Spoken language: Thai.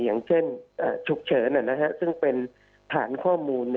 อย่างเช่นฉุกเฉินซึ่งเป็นฐานข้อมูล